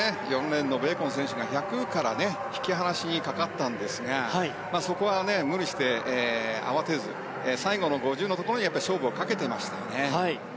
４レーンのベーコン選手が１００から引き離しにかかったんですがそこは無理して慌てず最後の５０のところに勝負をかけていましたよね。